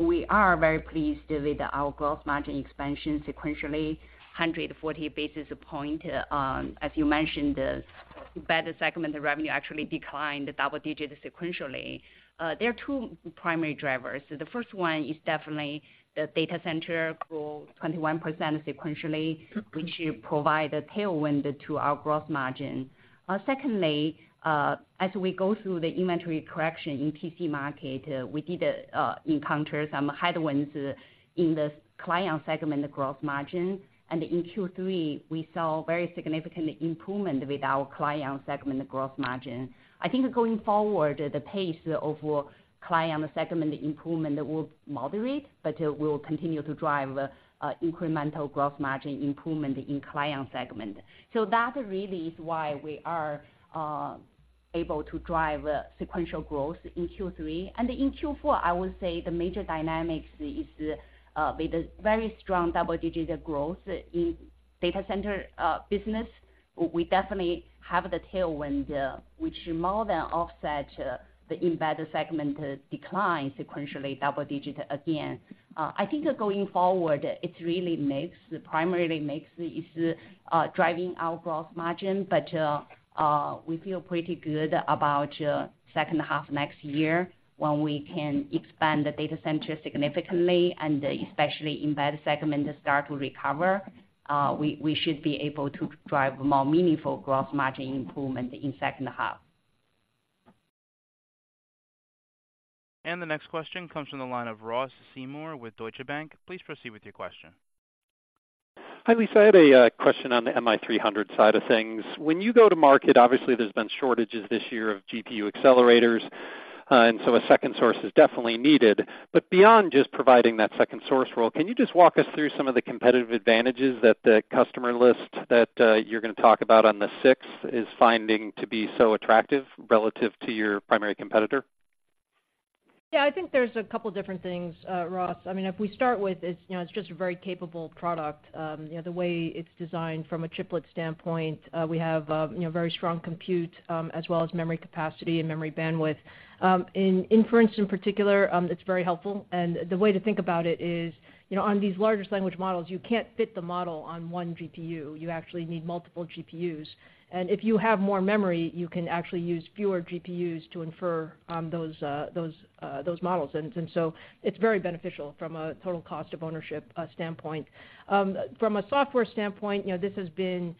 We are very pleased with our gross margin expansion, sequentially, 140 basis points. As you mentioned, the embedded segment, the revenue actually declined double digits sequentially. There are two primary drivers. The first one is definitely the data center grew 21% sequentially, which provide a tailwind to our gross margin. Secondly, as we go through the inventory correction in PC market, we did encounter some headwinds in the client segment, the gross margin. And in Q3, we saw very significant improvement with our client segment gross margin. I think going forward, the pace of client segment improvement will moderate, but it will continue to drive incremental gross margin improvement in client segment. So that really is why we are able to drive sequential growth in Q3. In Q4, I would say the major dynamics is with a very strong double-digit growth in data center business, we definitely have the tailwind which more than offset the embedded segment decline sequentially, double digit again. I think going forward, it's really mix. Primarily mix is driving our gross margin, but we feel pretty good about second half next year when we can expand the data center significantly, and especially embedded segment start to recover, we should be able to drive a more meaningful gross margin improvement in second half. The next question comes from the line of Ross Seymore with Deutsche Bank. Please proceed with your question. Hi, Lisa. I had a question on the MI300 side of things. When you go to market, obviously, there's been shortages this year of GPU accelerators, and so a second source is definitely needed. But beyond just providing that second source role, can you just walk us through some of the competitive advantages that the customer list that you're gonna talk about on the sixth is finding to be so attractive relative to your primary competitor? Yeah, I think there's a couple of different things, Ross. I mean, if we start with, it's, you know, it's just a very capable product. You know, the way it's designed from a throughput standpoint, we have, you know, very strong compute, as well as memory capacity and memory bandwidth. In inference, in particular, it's very helpful. And the way to think about it is, you know, on these larger language models, you can't fit the model on one GPU. You actually need multiple GPUs. And if you have more memory, you can actually use fewer GPUs to infer those models. And so it's very beneficial from a total cost of ownership standpoint. From a software standpoint, you know, this has been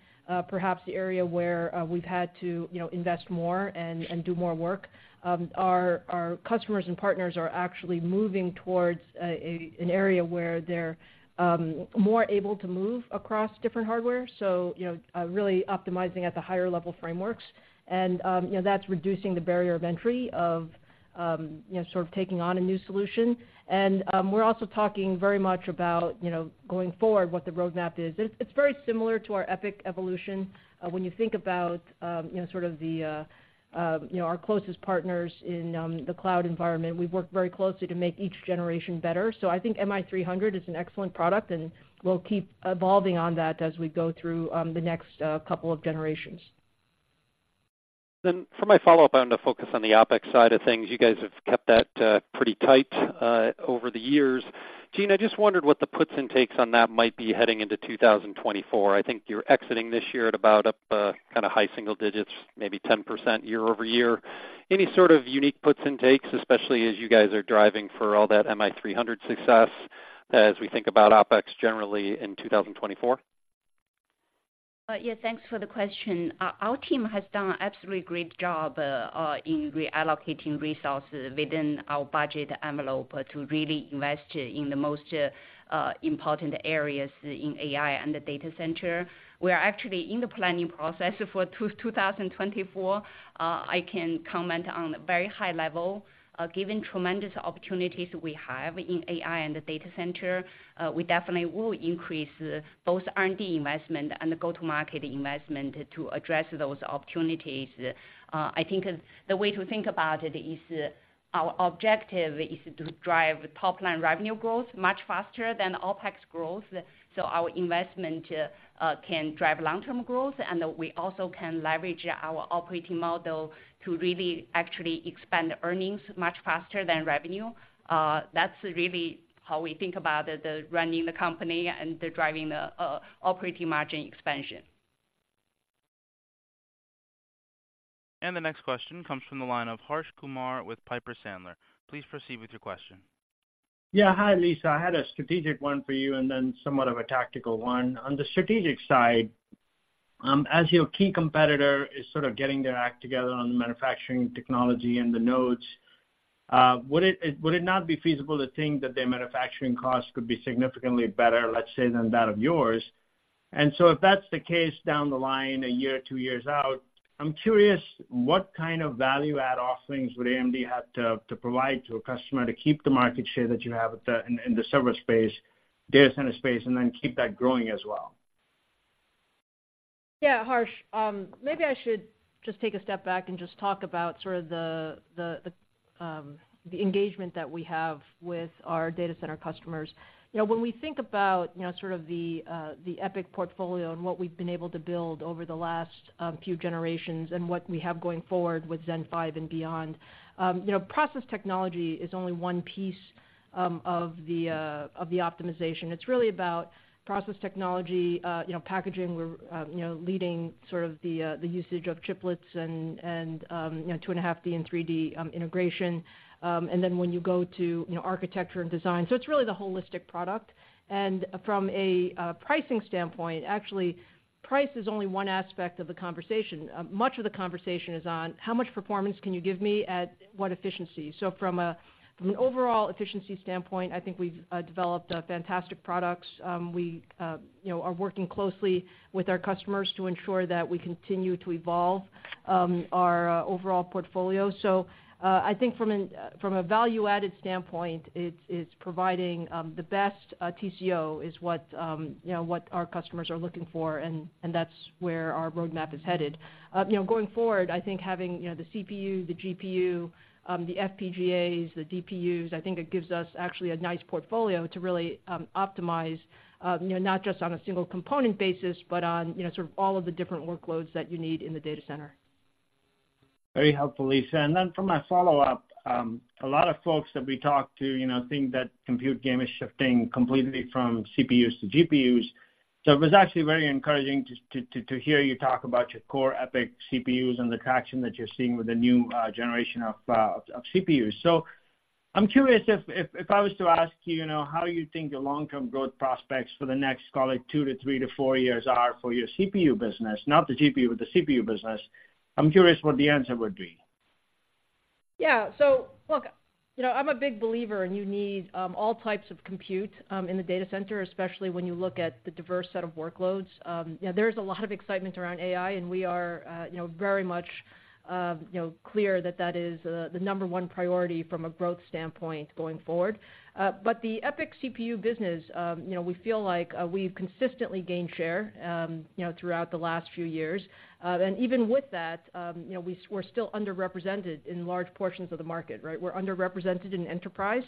perhaps the area where we've had to, you know, invest more and do more work. Our customers and partners are actually moving towards an area where they're more able to move across different hardware, so, you know, really optimizing at the higher level frameworks. And, you know, that's reducing the barrier of entry of, you know, sort of taking on a new solution. And, we're also talking very much about, you know, going forward, what the roadmap is. It's very similar to our EPYC evolution. When you think about, you know, sort of the, you know, our closest partners in the cloud environment, we've worked very closely to make each generation better. I think MI300 is an excellent product, and we'll keep evolving on that as we go through the next couple of generations. Then for my follow-up, I want to focus on the OpEx side of things. You guys have kept that, pretty tight, over the years. Jean, I just wondered what the puts and takes on that might be heading into 2024. I think you're exiting this year at about up, kind of high single digits, maybe 10% year-over-year. Any sort of unique puts and takes, especially as you guys are driving for all that MI300 success, as we think about OpEx generally in 2024? Yes, thanks for the question. Our team has done an absolutely great job in reallocating resources within our budget envelope to really invest in the most important areas in AI and the data center. We are actually in the planning process for 2024. I can comment on a very high level. Given tremendous opportunities we have in AI and the data center, we definitely will increase both R&D investment and go-to-market investment to address those opportunities. I think the way to think about it is, our objective is to drive top-line revenue growth much faster than OpEx growth, so our investment can drive long-term growth, and we also can leverage our operating model to really actually expand earnings much faster than revenue. That's really how we think about running the company and driving the operating margin expansion.... The next question comes from the line of Harsh Kumar with Piper Sandler. Please proceed with your question. Yeah. Hi, Lisa. I had a strategic one for you, and then somewhat of a tactical one. On the strategic side, as your key competitor is sort of getting their act together on the manufacturing technology and the nodes, would it not be feasible to think that their manufacturing costs could be significantly better, let's say, than that of yours? And so if that's the case, down the line, a year, two years out, I'm curious, what kind of value add offerings would AMD have to provide to a customer to keep the market share that you have in the server space, data center space, and then keep that growing as well? Yeah, Harsh. Maybe I should just take a step back and just talk about sort of the engagement that we have with our data center customers. You know, when we think about, you know, sort of the EPYC portfolio and what we've been able to build over the last few generations and what we have going forward with Zen 5 and beyond, you know, process technology is only one piece of the optimization. It's really about process technology, you know, packaging. We're leading sort of the usage of chiplets and 2.5D and 3D integration. And then when you go to, you know, architecture and design. So it's really the holistic product. From a pricing standpoint, actually, price is only one aspect of the conversation. Much of the conversation is on: How much performance can you give me at what efficiency? From an overall efficiency standpoint, I think we've developed fantastic products. We, you know, are working closely with our customers to ensure that we continue to evolve our overall portfolio. I think from a value-added standpoint, it's providing the best TCO, is what you know what our customers are looking for, and that's where our roadmap is headed. You know, going forward, I think having, you know, the CPU, the GPU, the FPGAs, the DPUs, I think it gives us actually a nice portfolio to really optimize, you know, not just on a single component basis, but on, you know, sort of all of the different workloads that you need in the data center. Very helpful, Lisa. And then for my follow-up, a lot of folks that we talk to, you know, think that compute game is shifting completely from CPUs to GPUs. So it was actually very encouraging to hear you talk about your core EPYC CPUs and the traction that you're seeing with the new generation of CPUs. So I'm curious if I was to ask you, you know, how you think the long-term growth prospects for the next, call it 2 to 3 to 4 years, are for your CPU business, not the GPU, but the CPU business, I'm curious what the answer would be. Yeah. So look, you know, I'm a big believer, and you need all types of compute in the data center, especially when you look at the diverse set of workloads. You know, there's a lot of excitement around AI, and we are, you know, very much clear that that is the number one priority from a growth standpoint going forward. But the EPYC CPU business, you know, we feel like we've consistently gained share throughout the last few years. And even with that, you know, we're still underrepresented in large portions of the market, right? We're underrepresented in enterprise.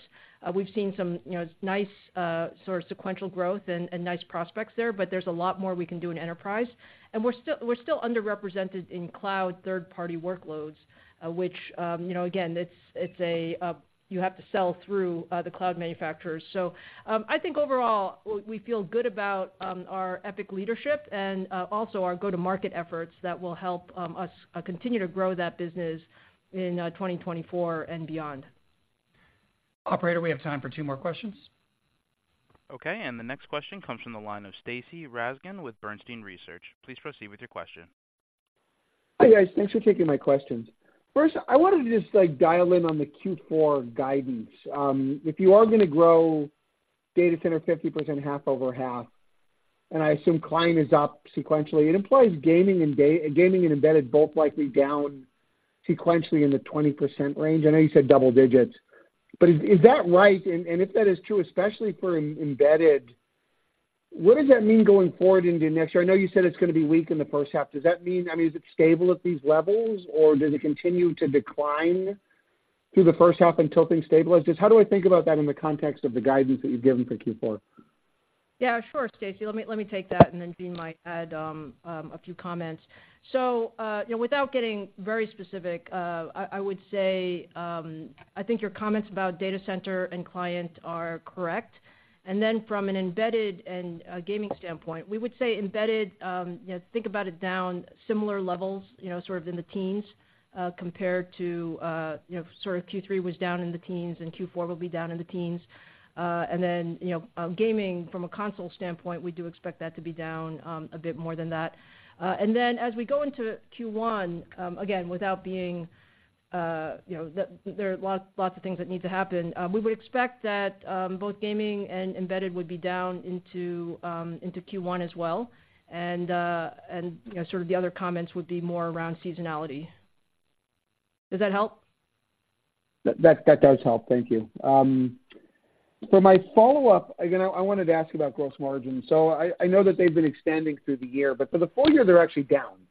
We've seen some, you know, nice sort of sequential growth and nice prospects there, but there's a lot more we can do in enterprise. And we're still underrepresented in cloud third-party workloads, which, you know, again, it's a, you have to sell through the cloud manufacturers. So, I think overall, we feel good about our EPYC leadership and also our go-to-market efforts that will help us continue to grow that business in 2024 and beyond. Operator, we have time for two more questions. Okay, and the next question comes from the line of Stacy Rasgon with Bernstein Research. Please proceed with your question. Hi, guys. Thanks for taking my questions. First, I wanted to just, like, dial in on the Q4 guidance. If you are going to grow data center 50%, half over half, and I assume client is up sequentially, it implies gaming and gaming and embedded both likely down sequentially in the 20% range. I know you said double digits, but is that right? And if that is true, especially for embedded, what does that mean going forward into next year? I know you said it's going to be weak in the first half. Does that mean... I mean, is it stable at these levels, or does it continue to decline through the first half until things stabilize? Just how do I think about that in the context of the guidance that you've given for Q4? Yeah, sure, Stacy. Let me, let me take that, and then Jean might add a few comments. So, you know, without getting very specific, I would say, I think your comments about data center and client are correct. And then from an embedded and gaming standpoint, we would say embedded, you know, think about it down similar levels, you know, sort of in the teens, compared to, you know, sort of Q3 was down in the teens, and Q4 will be down in the teens. And then, you know, gaming from a console standpoint, we do expect that to be down a bit more than that. And then as we go into Q1, again, without being, you know, there are lots, lots of things that need to happen. We would expect that both gaming and embedded would be down into Q1 as well. You know, sort of the other comments would be more around seasonality. Does that help? That does help. Thank you. For my follow-up, again, I wanted to ask about gross margins. So I know that they've been expanding through the year, but for the full year, they're actually down.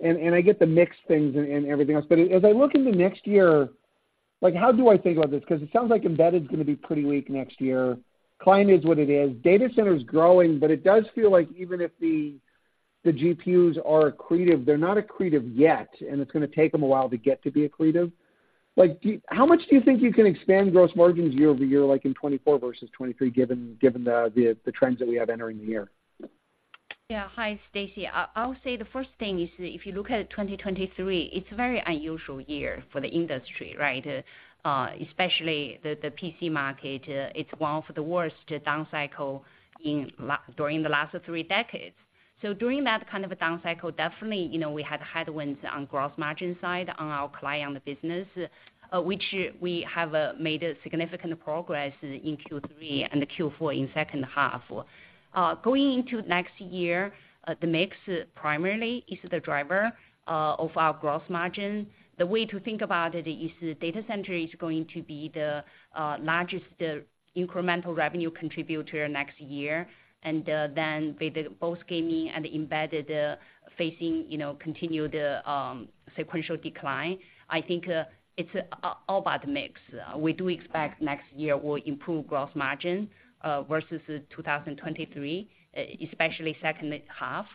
And I get the mix things and everything else, but as I look into next year, like, how do I think about this? Because it sounds like embedded is going to be pretty weak next year. Client is what it is. Data center is growing, but it does feel like even if the GPUs are accretive, they're not accretive yet, and it's going to take them a while to get to be accretive. Like, how much do you think you can expand gross margins year-over-year, like in 2024 versus 2023, given the trends that we have entering the year? Yeah. Hi, Stacy. I'll say the first thing is if you look at 2023, it's a very unusual year for the industry, right? Especially the PC market. It's one of the worst down cycle during the last three decades. So during that kind of a down cycle, definitely, you know, we had headwinds on gross margin side, on our client business, which we have made a significant progress in Q3 and Q4 in second half. Going into next year, the mix primarily is the driver of our gross margin. The way to think about it is the data center is going to be the largest incremental revenue contributor next year, and then with both gaming and embedded facing, you know, continued sequential decline. I think it's all about mix. We do expect next year will improve gross margin versus 2023, especially second half.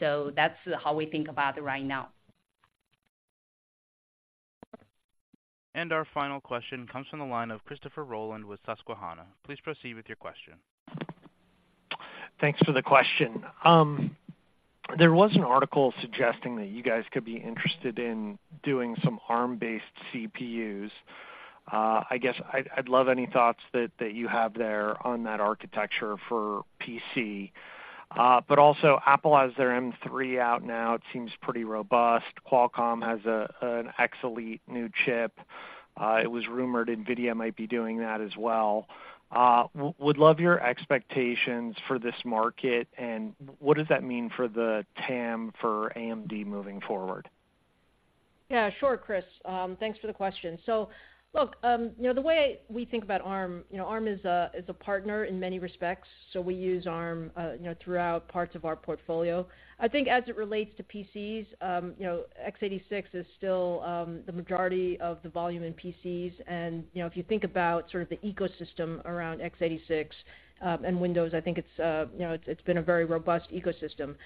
That's how we think about it right now. Our final question comes from the line of Christopher Rolland with Susquehanna. Please proceed with your question. Thanks for the question. There was an article suggesting that you guys could be interested in doing some Arm-based CPUs. I guess I'd love any thoughts that you have there on that architecture for PC. But also, Apple has their M3 out now. It seems pretty robust. Qualcomm has an X Elite new chip. It was rumored NVIDIA might be doing that as well. Would love your expectations for this market, and what does that mean for the TAM, for AMD moving forward? Yeah, sure, Chris, thanks for the question. So look, you know, the way we think about Arm, you know, Arm is a, is a partner in many respects, so we use Arm, you know, throughout parts of our portfolio. I think as it relates to PCs, you know, x86 is still, the majority of the volume in PCs, and, you know, if you think about sort of the ecosystem around x86, and Windows, I think it's, you know, it's, it's been a very robust ecosystem.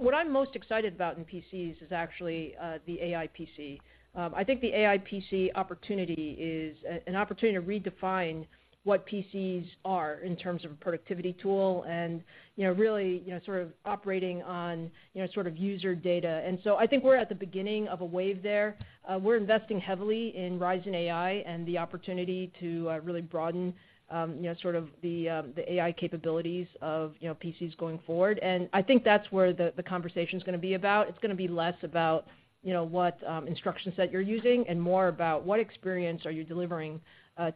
What I'm most excited about in PCs is actually, the AI PC. I think the AI PC opportunity is an, an opportunity to redefine what PCs are in terms of a productivity tool and, you know, really, you know, sort of operating on, you know, sort of user data. I think we're at the beginning of a wave there. We're investing heavily in Ryzen AI, and the opportunity to really broaden, you know, sort of the AI capabilities of, you know, PCs going forward. I think that's where the conversation is gonna be about. It's gonna be less about, you know, what instruction set you're using, and more about what experience are you delivering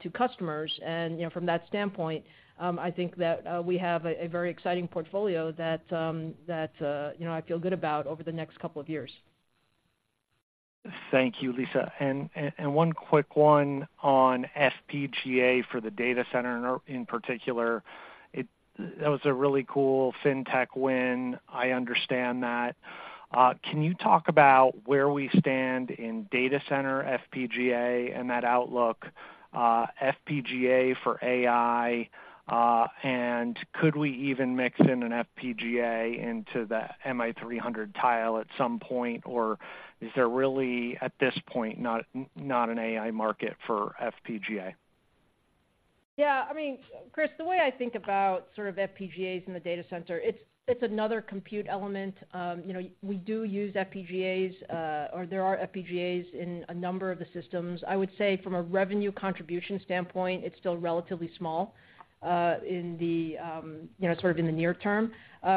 to customers. You know, from that standpoint, I think that we have a very exciting portfolio that, you know, I feel good about over the next couple of years. Thank you, Lisa. One quick one on FPGA for the data center in particular. That was a really cool fintech win. I understand that. Can you talk about where we stand in data center FPGA and that outlook, FPGA for AI? And could we even mix in an FPGA into the MI300 tile at some point, or is there really, at this point, not an AI market for FPGA? Yeah, I mean, Chris, the way I think about sort of FPGAs in the data center, it's another compute element. You know, we do use FPGAs, or there are FPGAs in a number of the systems. I would say from a revenue contribution standpoint, it's still relatively small in the near term.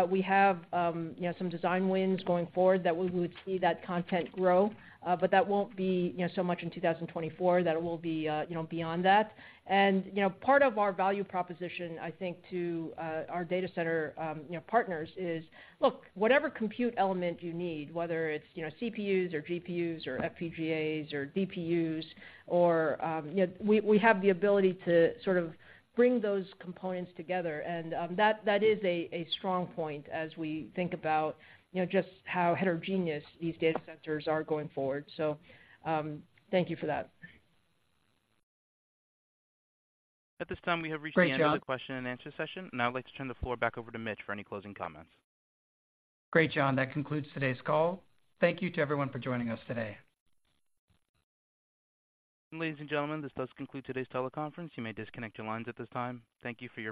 We have you know, some design wins going forward that we would see that content grow, but that won't be you know, so much in 2024, that it will be you know, beyond that. And you know, part of our value proposition, I think, to our data center you know, partners, is, look, whatever compute element you need, whether it's you know, CPUs or GPUs or FPGAs or DPUs or. Yep, we, we have the ability to sort of bring those components together, and, that, that is a, a strong point as we think about, you know, just how heterogeneous these data centers are going forward. So, thank you for that. At this time, we have reached the end- Great job... of the question and answer session, and I'd like to turn the floor back over to Mitch for any closing comments. Great, John. That concludes today's call. Thank you to everyone for joining us today. Ladies and gentlemen, this does conclude today's teleconference. You may disconnect your lines at this time. Thank you for your participation.